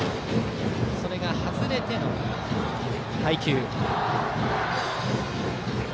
それが外れての配球。